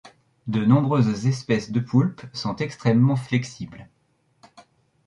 De nombreuses espèces de poulpes sont extrêmement flexibles.